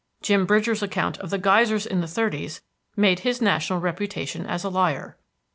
Jim Bridger's account of the geysers in the thirties made his national reputation as a liar.